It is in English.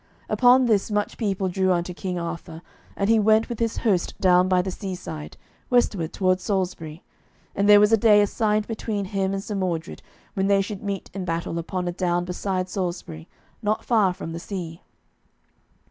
Upon this much people drew unto King Arthur, and he went with his host down by the seaside, westward towards Salisbury, and there was a day assigned between him and Sir Mordred when they should meet in battle upon a down beside Salisbury, not far from the sea.